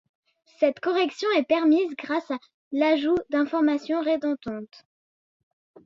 Cette correction est permise grâce à l'ajout d'informations redondantes.